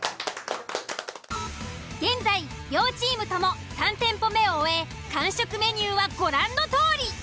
現在両チームとも３店舗目を終え完食メニューはご覧のとおり。